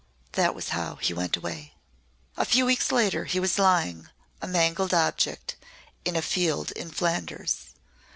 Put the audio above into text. That was how he went away. A few weeks later he was lying, a mangled object, in a field in Flanders.